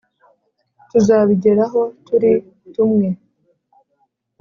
tuza bijyeraho turi tumwe